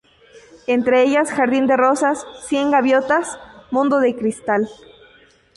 Entre ellas Jardín De Rosas, Cien Gaviotas, Mundo De Cristal...